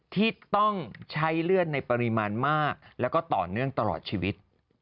ที่ต้องใช้เลือดในปริมาณมากแล้วก็ต่อเนื่องตลอดชีวิต